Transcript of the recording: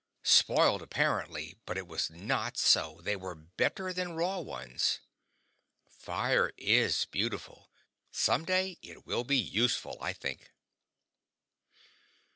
Spoiled apparently; but it was not so; they were better than raw ones. Fire is beautiful; some day it will be useful, I think.